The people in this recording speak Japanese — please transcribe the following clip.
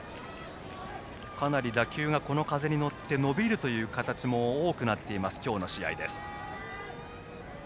かなり打球が、この風に乗って伸びるという形も多くなっています、今日の試合。